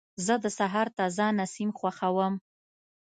زه د سهار تازه نسیم خوښوم.